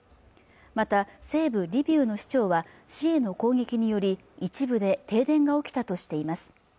また西部リビウの市長は市への攻撃により一部で停電が起きたとしています